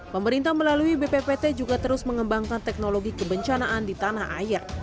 pemerintah melalui bppt juga terus mengembangkan teknologi kebencanaan di tanah air